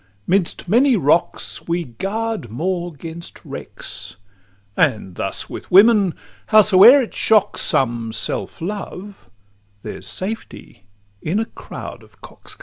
'Midst many rocks we guard more against wrecks; And thus with women: howsoe'er it shocks some's Self love, there's safety in a crowd of coxcombs.